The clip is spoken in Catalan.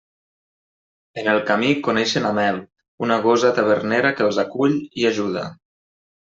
En el camí coneixen a Mel, una gosa tavernera que els acull i ajuda.